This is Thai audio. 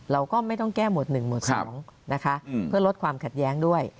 เราก็ไม่ต้องแก้หมวด๑หมวด๒นะคะเพื่อลดความขัดแย้งด้วย